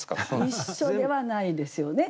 一緒ではないですよね。